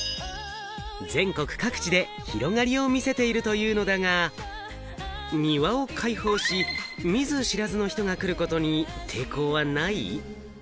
全国各地で広がりを見せているというのだが、庭を開放し、見ず知らずの人が来ることに抵抗はない？